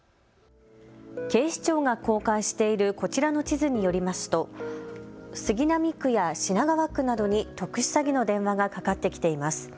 警視庁が公開しているこちらの地図によりますと杉並区や品川区などに特殊詐欺の電話がかかってきています。